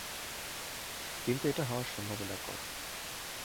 কিন্তু এটা হওয়ার সম্ভাবনা কম।